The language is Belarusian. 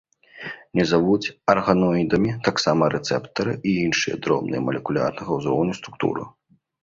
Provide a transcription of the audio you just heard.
Не завуць арганоідамі таксама рэцэптары і іншыя дробныя, малекулярнага ўзроўню, структуры.